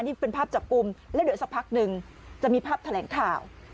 นี่เป็นภาพจับกลุ่มแล้วเดี๋ยวสักพักหนึ่งจะมีภาพแถลงข่าว